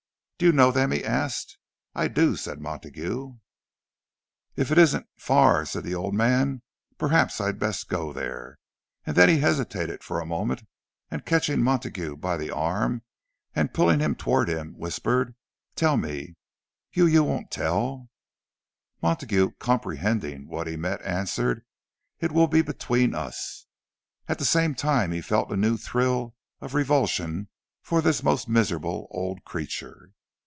"Do you know them?" he asked. "I do," said Montague. "It isn't far," said the old man. "Perhaps I had best go there."—And then he hesitated for a moment; and catching Montague by the arm, and pulling him toward him, whispered, "Tell me—you—you won't tell—" Montague, comprehending what he meant, answered, "It will be between us." At the same time he felt a new thrill of revulsion for this most miserable old creature.